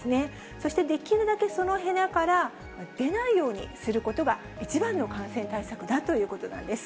そしてできるだけ、その部屋から出ないようにすることが一番の感染対策だということなんです。